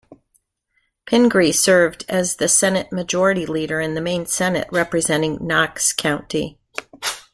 Pingree served as the Senate Majority Leader in the Maine Senate representing Knox County.